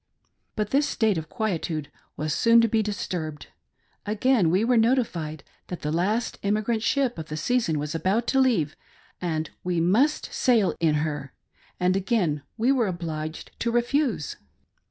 But this state of quietude was soon to be disturbed. Again we were notified that the last emigrant ship of the season was about to leave, and we must sail in her, and again we were obliged to refuse.